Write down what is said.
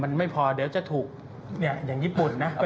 มันไม่พอเดี๋ยวจะถูกอย่างญี่ปุ่นนะ